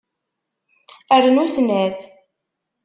Rnu snat.